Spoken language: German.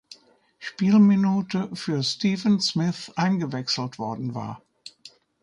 Spielminute für Steven Smith eingewechselt worden war.